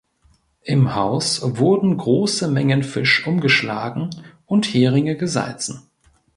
Im Haus wurden große Mengen Fisch umgeschlagen und Heringe gesalzen.